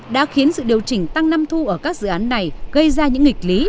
đã khiến sự điều chỉnh tăng năm thu ở các dự án này gây ra những nghịch lý